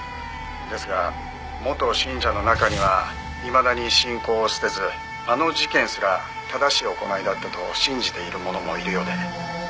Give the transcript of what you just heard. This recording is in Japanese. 「ですが元信者の中にはいまだに信仰を捨てずあの事件すら正しい行いだったと信じている者もいるようで」